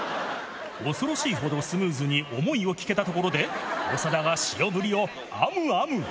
恐ろしいほどスムーズに想いを聞けたところで、長田が塩ブリをあむあむ。